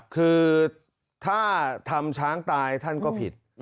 คือถ้าทำช้างตายท่านก็ผิด